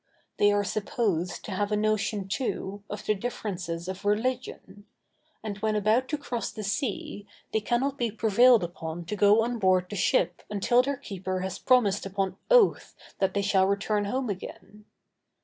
They are supposed to have a notion, too, of the differences of religion; and when about to cross the sea, they cannot be prevailed upon to go on board the ship until their keeper has promised upon oath that they shall return home again.